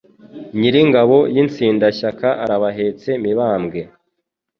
Nyiringoma y' insindashyaka arabahetse mibambwe